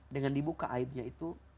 dengan dibuka aibnya itu